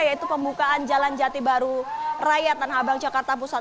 yaitu pembukaan jalan jati baru raya tanah abang jakarta pusat